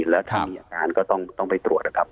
และถ้ามีอาการก็ต้องไปตรวจ